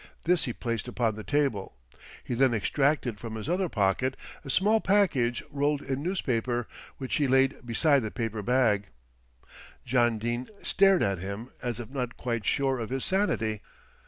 This he placed upon the table. He then extracted from his other pocket a small package rolled in newspaper, which he laid beside the paper bag. John Dene stared at him as if not quite sure of his sanity.